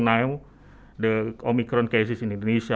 keadaan omicron di indonesia